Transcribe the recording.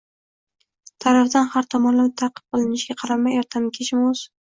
tarafidan har tomonlama ta’qib qilinishiga qaramay, ertami-kechmi o‘z